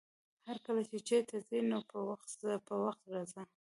هرکله چې چېرته ځې نو په وخت ځه، په وخت راځه!